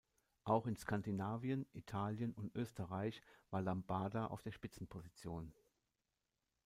Auch in Skandinavien, Italien und Österreich war Lambada auf der Spitzenposition.